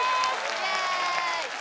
イエーイ